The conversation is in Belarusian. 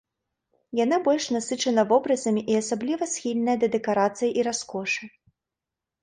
Яна больш насычана вобразамі і асабліва схільная да дэкарацыі і раскошы.